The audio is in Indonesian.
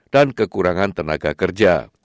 dan kekurangan tenaga kerja